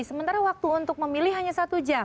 sementara waktu untuk memilih hanya satu jam